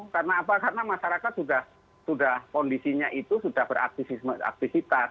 karena apa karena masyarakat sudah kondisinya itu sudah beraktifitas